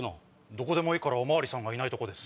どこでもいいからお巡りさんがいないとこです。